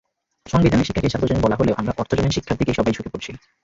সংবিধানে শিক্ষাকে সর্বজনীন বলা হলেও আমরা অর্থজনীন শিক্ষার দিকেই সবাই ঝুঁকে পড়েছি।